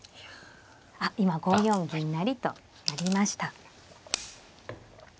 あっ今５四銀成と成りました。